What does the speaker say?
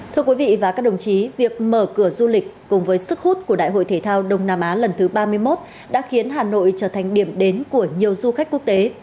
thưa quý vị và các đồng chí việc mở cửa du lịch cùng với sức hút của đại hội thể thao đông nam á lần thứ ba mươi một đã khiến hà nội trở thành điểm đến của nhiều du khách quốc tế